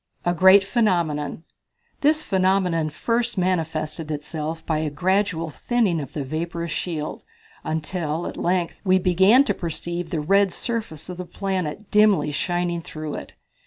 A Great Phenomenon. This phenomenon first manifested itself by a gradual thinning of the vaporous shield, until, at length, we began to perceive the red surface of the planet dimly shining through it.